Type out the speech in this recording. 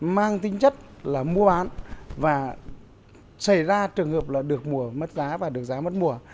mang tính chất là mua bán và xảy ra trường hợp là được mùa mất giá và được giá mất mùa